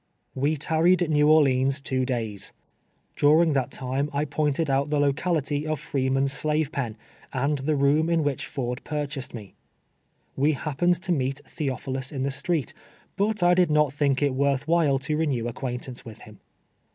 AVe tarried at New Orleans two days. During that time I ])i)iuted out the locality of Freenum's slave pen, and the room in which Ford purchased me. We happened to meet Theophilus in the street, but I did not thiidc it worth while to renew acquaintance with him.